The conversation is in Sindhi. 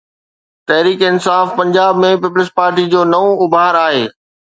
تحريڪ انصاف پنجاب ۾ پيپلز پارٽي جو نئون اڀار آهي.